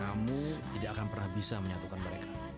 kamu tidak akan pernah bisa menyatukan mereka